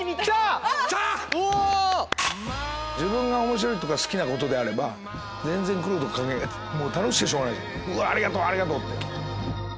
面白いとか好きなことであれば全然苦労とか関係ないから楽しくてしょうがないじゃんありがとうありがとう！って。